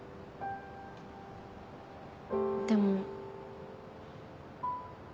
でも。